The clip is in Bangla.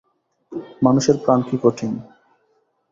মানুষের প্রাণ কী কঠিন।